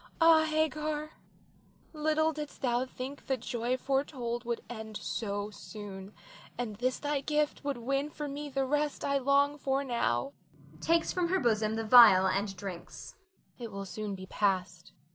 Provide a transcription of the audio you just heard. Ah, Hagar, little didst thou think the joy foretold would end so soon, and this thy gift would win for me the rest I long for now [takes from her bosom the phial and drinks]. It will soon be past.